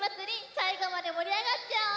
さいごまでもりあがっちゃおう！